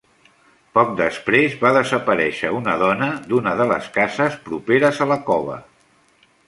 Poc després, va desaparèixer una dona d'una de les cases properes a la cova.